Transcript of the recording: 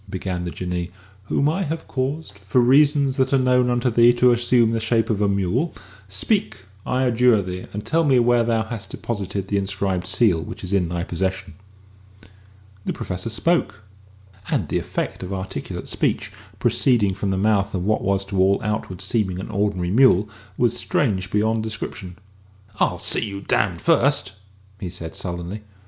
began the Jinnee, "whom I have caused, for reasons that are known unto thee, to assume the shape of a mule, speak, I adjure thee, and tell me where thou hast deposited the inscribed seal which is in thy possession." The Professor spoke; and the effect of articulate speech proceeding from the mouth of what was to all outward seeming an ordinary mule was strange beyond description. "I'll see you damned first," he said sullenly.